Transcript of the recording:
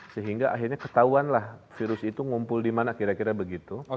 sehingga akhirnya ketahuan lah virus itu ngumpul di mana kira kira begitu